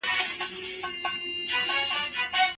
خدمت د ژوند پرمختګ ته لار هواروي.